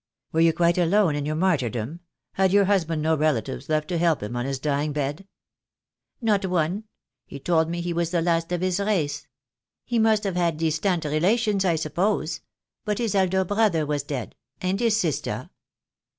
"Were you quite alone in your martyrdom; had your husband no relatives left to help him on his dying bed?" "Not one. He told me he was the last of his race. He must have had distant relations, I suppose; but his elder brother was dead, and his sister."